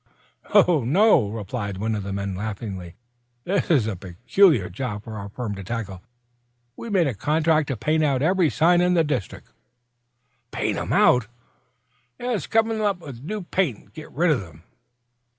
"No," replied one of the men, laughing. "This is a peculiar job for our firm to tackle. We've made a contract to paint out every sign in the district." "Paint 'em out!" "Yes, cover them up with new paint, and get rid of them."